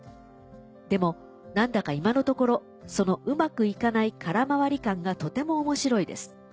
でも何だか今のところそのうまくいかない空回り感がとても面白いです。